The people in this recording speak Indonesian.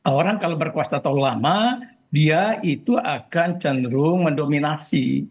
orang kalau berkuasa terlalu lama dia itu akan cenderung mendominasi